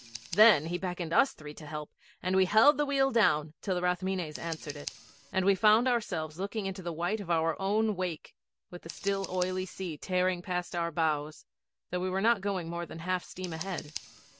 Then he beckoned us three to help, and we held the wheel down till the Rathmines answered it, and we found ourselves looking into the white of our own wake, with the still oily sea tearing past our bows, though we were not going more than half steam ahead.